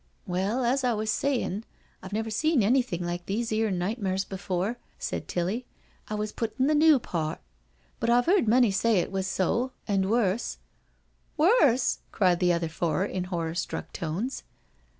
" Well, as I was sayin', I've never seen anything like these 'ere nightmares before," said Tilly, " I wa3 put in the new part; but I've heard many say it was so— and worse," "Worse I" cried the other four in horror struck tones.